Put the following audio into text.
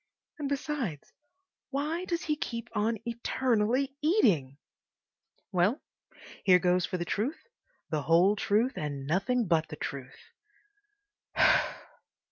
And, besides, why does he keep on eternally eating? Well, here goes for the truth, the whole truth, and nothing but the truth!